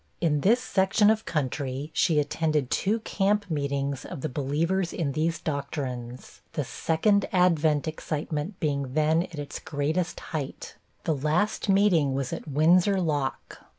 In this section of country, she attended two camp meetings of the believers in these doctrines the 'second advent' excitement being then at its greatest height. The last meeting was at Windsor Lock.